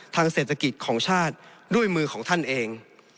ทางเศรษฐกิจของชาติด้วยมือของท่านเอง